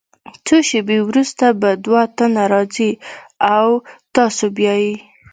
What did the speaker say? څو شیبې وروسته به دوه تنه راځي او تاسو بیایي.